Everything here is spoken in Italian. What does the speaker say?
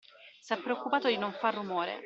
S’è preoccupato di non far rumore